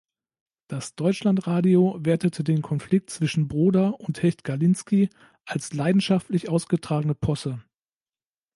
Das Deutschlandradio wertete den Konflikt zwischen Broder und Hecht-Galinski als „leidenschaftlich ausgetragene Posse“.